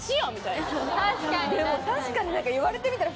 でも確かに言われてみたら。